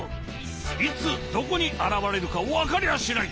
いつどこにあらわれるかわかりゃしない！